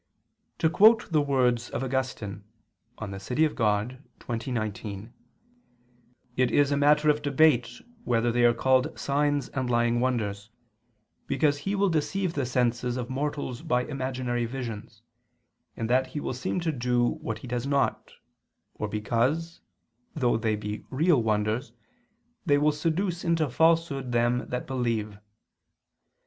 To quote the words of Augustine (De Civ. Dei xx, 19), "it is a matter of debate whether they are called signs and lying wonders, because he will deceive the senses of mortals by imaginary visions, in that he will seem to do what he does not, or because, though they be real wonders, they will seduce into falsehood them that believe."